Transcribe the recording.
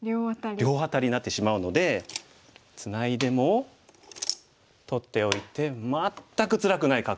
両アタリになってしまうのでツナいでも取っておいて全くつらくない格好になります。